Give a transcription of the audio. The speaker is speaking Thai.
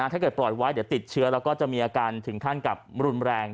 ถ้าเกิดปล่อยไว้เดี๋ยวติดเชื้อแล้วก็จะมีอาการถึงขั้นกับรุนแรง